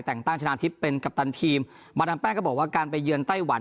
แต่งตั้งชนะทิพย์เป็นกัปตันทีมมาดามแป้งก็บอกว่าการไปเยือนไต้หวัน